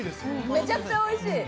めちゃくちゃおいしい！